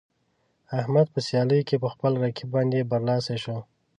احمد په سیالۍ کې په خپل رقیب باندې برلاسی شو.